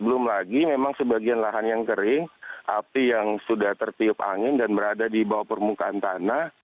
belum lagi memang sebagian lahan yang kering api yang sudah tertiup angin dan berada di bawah permukaan tanah